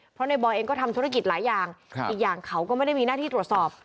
เพราะในบอยเองก็ทำธุรกิจหลายอย่างอีกอย่างเขาก็ไม่ได้มีหน้าที่ตรวจสอบ